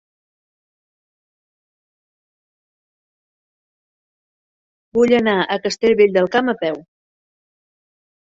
Vull anar a Castellvell del Camp a peu.